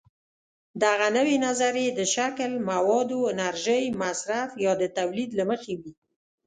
دغه نوې نظریې د شکل، موادو، انرژۍ مصرف یا د تولید له مخې وي.